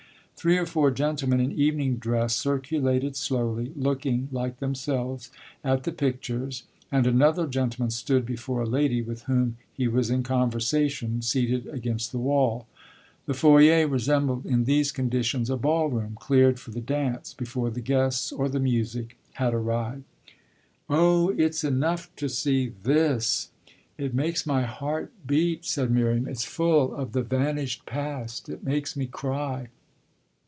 Three or four gentlemen in evening dress circulated slowly, looking, like themselves, at the pictures, and another gentleman stood before a lady, with whom he was in conversation, seated against the wall. The foyer resembled in these conditions a ball room, cleared for the dance, before the guests or the music had arrived. "Oh it's enough to see this; it makes my heart beat," said Miriam. "It's full of the vanished past, it makes me cry.